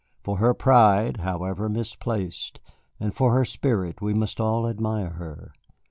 For her pride, however misplaced, and for her spirit we must all admire her.